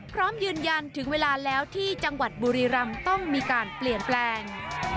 พร้อมยืนยันถึงเวลาแล้วที่จังหวัดบุรีรำต้องมีการเปลี่ยนแปลง